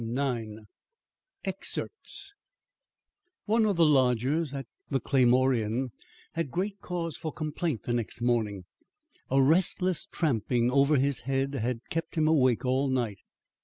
IX EXCERPTS One of the lodgers at the Claymore Inn had great cause for complaint the next morning. A restless tramping over his head had kept him awake all night.